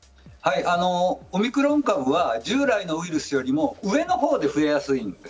オミクロン株は従来のウイルスより上の方で増えやすいんです。